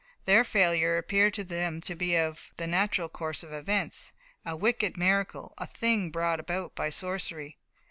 Their failure appeared to them out of the natural course of events, a wicked miracle, a thing brought about by sorcery.